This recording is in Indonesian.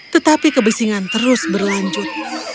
tetapi kebisingan terus berlanjut